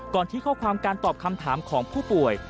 ที่ข้อความการตอบคำถามของผู้ป่วย